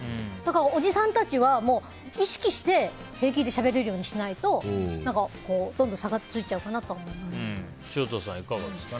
おじさんたちは意識して平気でしゃべれるようにしないとどんどん差がついちゃうと潮田さん、いかがですか？